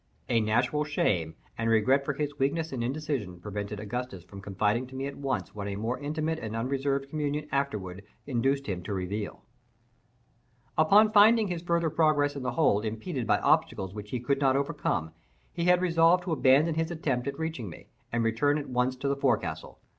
A natural shame and regret for his weakness and indecision prevented Augustus from confiding to me at once what a more intimate and unreserved communion afterward induced him to reveal. Upon finding his further progress in the hold impeded by obstacles which he could not overcome, he had resolved to abandon his attempt at reaching me, and return at once to the forecastle.